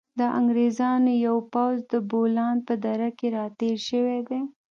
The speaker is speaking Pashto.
د انګریزانو یو پوځ د بولان په دره کې را تېر شوی دی.